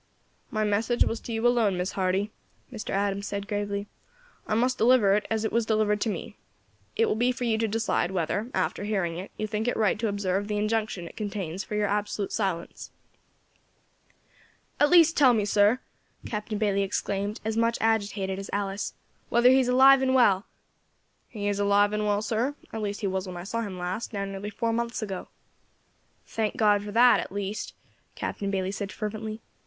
"My message was to you alone, Miss Hardy," Mr. Adams said gravely; "I must deliver it as it was delivered to me. It will be for you to decide whether, after hearing it, you think it right to observe the injunction it contains for your absolute silence." "At least tell me, sir," Captain Bayley exclaimed, as much agitated as Alice, "whether he is alive and well." "He is alive and well, sir at least he was when I saw him last, now nearly four months ago." "Thank God for that, at least," Captain Bayley said fervently.